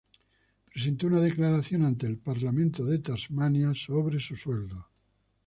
Presentó una declaración ante el Parlamento de Tasmania sobre su sueldo.